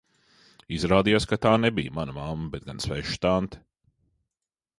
Izrādījās, ka tā nebija mana mamma, bet gan sveša tante.